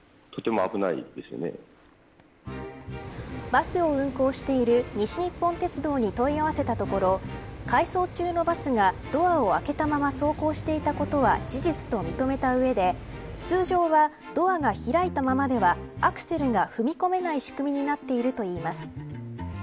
バスを運行している西日本鉄道に問い合わせたところ回送中のバスがドアを開けたまま走行していたことは事実と認めた上で通常はドアが開いたままではアクセルが踏み込めない仕組みになっているといいます。